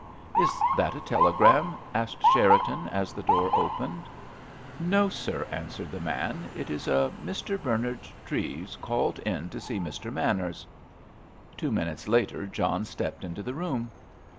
"Is that a telegram?" asked Cherriton, as the door opened. "No, sir," answered the man; "it is a Mr. Bernard Treves called in to see Mr. Manners." Two minutes later John stepped into the room.